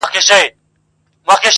ورور د وجدان جګړه کوي دننه